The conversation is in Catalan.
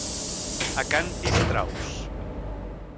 A can Pistraus.